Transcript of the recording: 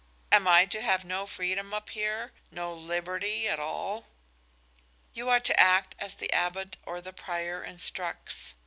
"Am I to have no freedom up here no liberty, at all?" "You are to act as the Abbot or the prior instructs.